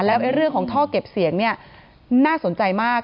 แล้วเรื่องของท่อเก็บเสียงเนี่ยน่าสนใจมาก